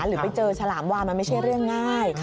หรือไปเจอฉลามวานมันไม่ใช่เรื่องง่าย